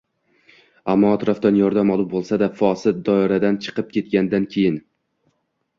Ammo atrofdan yordam olib bo‘lsada fosid doiradan chiqib ketgandan keyin